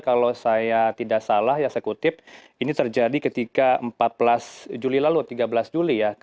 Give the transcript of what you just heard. kalau saya tidak salah ya saya kutip ini terjadi ketika empat belas juli lalu tiga belas juli ya